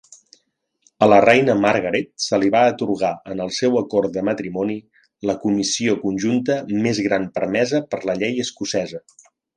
A la reina Margaret se li va atorgar en el seu acord de matrimoni la comissió conjunta més gran permesa per la llei escocesa.